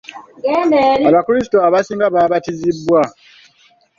Abakrisito abasinga baabatizibwa.